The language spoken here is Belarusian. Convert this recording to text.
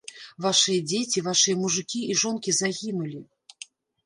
Вашыя дзеці, вашыя мужыкі і жонкі загінулі.